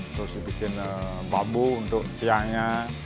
terus dibikin bambu untuk siangnya